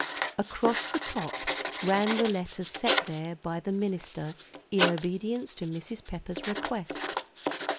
Across the top ran the letters set there by the minister in obedience to Mrs. Pepper's request.